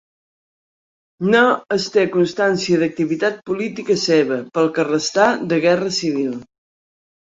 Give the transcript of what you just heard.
No es té constància d'activitat política seva, pel que restà de Guerra Civil.